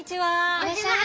いらっしゃいませ。